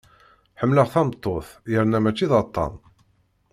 Ḥemmleɣ tameṭṭut yerna mačči d aṭṭan.